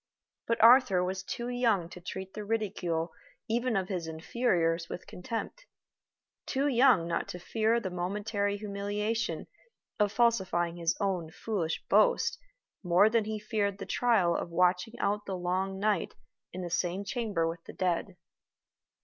But Arthur was too young to treat the ridicule even of his inferiors with contempt too young not to fear the momentary humiliation of falsifying his own foolish boast more than he feared the trial of watching out the long night in the same chamber with the dead.